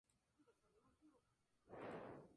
Sus padres están separados.